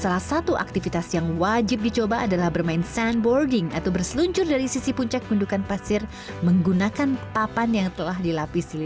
salah satu aktivitas yang wajib dicoba adalah bermain sandboarding atau berseluncur dari sisi puncak gundukan pasir menggunakan papan yang telah dilapis